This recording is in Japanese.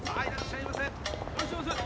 いらっしゃいませ！